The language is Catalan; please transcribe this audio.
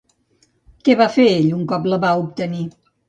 Què va fer ell un cop la va obtenir?